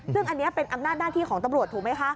ซึ่งอันนี้เป็นอำนาจหน้าที่ของตำรวจถูกไหมคะ